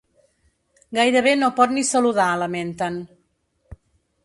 “Gairebé no pot ni saludar”, lamenten.